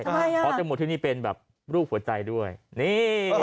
ใช่ค่ะเพราะแตงโมที่นี่เป็นแบบรูปหัวใจด้วยนี่